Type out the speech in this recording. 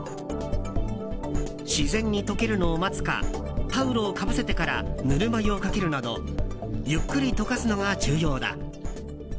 自然に溶けるのを待つかタオルをかぶせてからぬるま湯をかけるなどゆっくり溶かすのが重要だ。